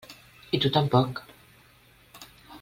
I tu tampoc.